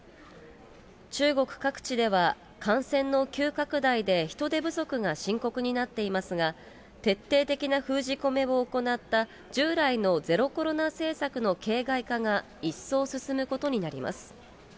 中国各地では、感染の急拡大で人手不足が深刻になっていますが、徹底的な封じ込めを行った従来のゼロコロナ政策の形骸化が一層進むことになります。